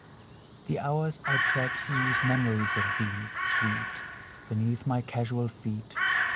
The hours I tread ooze memories of thee, Sweet, Beneath my casual feet.